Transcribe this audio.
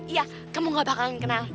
iya kamu gak akan kenal